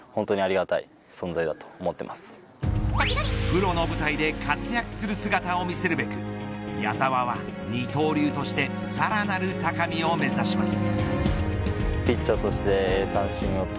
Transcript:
プロの舞台で活躍する姿を見せるべく矢澤は二刀流としてさらなる高みを目指します。